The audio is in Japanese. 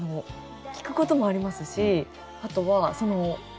聴くこともありますしあとはその。